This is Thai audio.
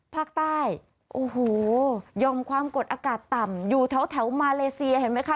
ภาคใต้โอ้โหยอมความกดอากาศต่ำอยู่แถวมาเลเซียเห็นไหมคะ